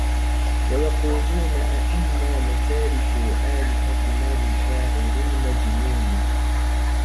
وَيَقُولُونَ أَئِنَّا لَتَارِكُو آلِهَتِنَا لِشَاعِرٍ مَجْنُونٍ